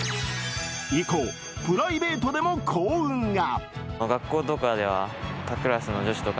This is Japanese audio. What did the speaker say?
以降プライベートでも幸運が。